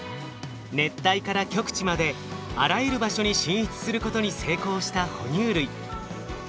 熱帯から極地まであらゆる場所に進出することに成功した哺乳類。